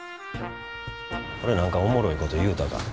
俺何かおもろいこと言うたか？